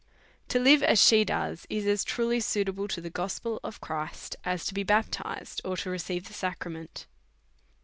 To live as she does, is as truly suitable to the gospel of Christ, as to be baptized or receive the sacrament.